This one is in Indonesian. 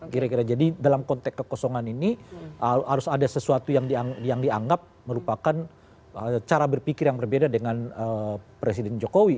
kira kira jadi dalam konteks kekosongan ini harus ada sesuatu yang dianggap merupakan cara berpikir yang berbeda dengan presiden jokowi